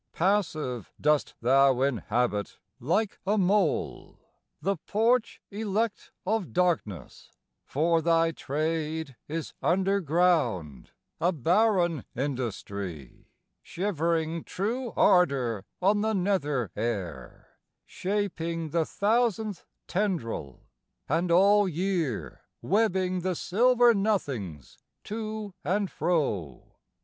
Passive dost thou inhabit, like a mole, The porch elect of darkness; for thy trade Is underground, a barren industry, Shivering true ardor on the nether air, Shaping the thousandth tendril, and all year Webbing the silver nothings to and fro.